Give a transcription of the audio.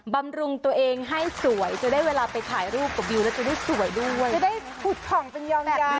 บำรุงตัวเองให้สวยจะได้เวลาไปถ่ายรูปกับวิวแล้วจะได้สวยด้วย